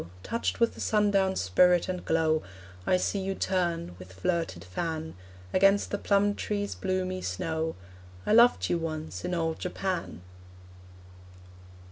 Touched with the sundown's spirit and glow, I see you turn, with flirted fan, Against the plum tree's bloomy snow ... I loved you once in old Japan!